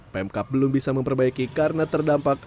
pemkap belum bisa memperbaiki karena terdampak